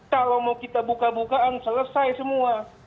kalau mau kita buka bukaan selesai semua